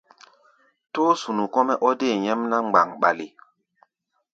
Tóó-sunu kɔ́-mɛ́ ɔ́ dée nyɛ́mná mgbaŋɓale.